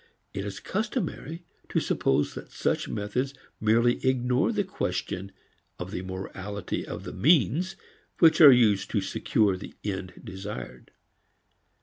It is customary to suppose that such methods merely ignore the question of the morality of the means which are used to secure the end desired.